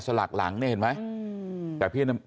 สลักหลังเนี่ยเห็นไหม